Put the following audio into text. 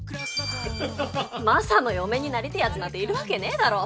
マサの嫁になりてえやつなんているわけねえだろ。